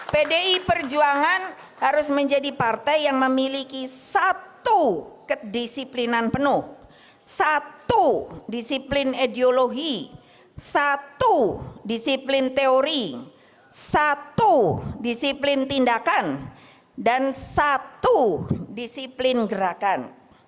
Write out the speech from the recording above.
pdi perjuangan harus menjadi partai yang memiliki satu kedisiplinan penuh satu disiplin ideologi satu disiplin teori satu disiplin tindakan dan satu disiplin gerakan